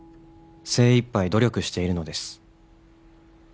「精いっぱい努力しているのです」